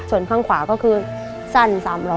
ส่วนข้างขวาก็คือสั้น๓ล้อ